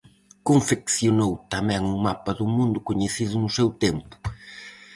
Confeccionou tamén un mapa do mundo coñecido no seu tempo.